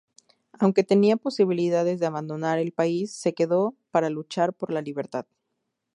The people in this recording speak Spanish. Aunque tenía posibilidades de abandonar el país, se quedó para luchar por la libertad.